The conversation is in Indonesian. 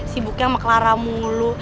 sibuknya sama clara mulu